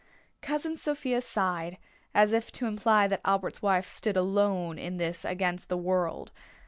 Cousin Sophia sighed, as if to imply that Albert's wife stood alone in this against the world.